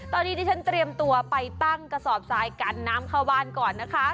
ตอนนี้ที่ฉันเตรียมตัวไปตั้งกระสอบทรายกันน้ำเข้าบ้านก่อนนะคะ